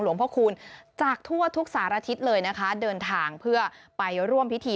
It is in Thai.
พระคูณจากทั่วทุกสารทิศเลยนะคะเดินทางเพื่อไปร่วมพิธี